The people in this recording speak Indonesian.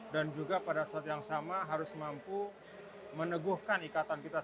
dan juga pada saat yang sama harus mampu meneguhkan ikatan kita